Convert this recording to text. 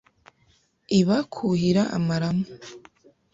Iba kwuhira amaramu